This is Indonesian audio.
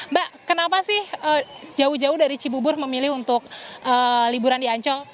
mbak kenapa sih jauh jauh dari cibubur memilih untuk liburan di ancol